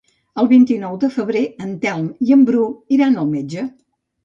El vint-i-nou de febrer en Telm i en Bru iran al metge.